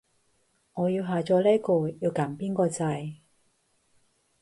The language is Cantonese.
我要下載呢個，要撳邊個掣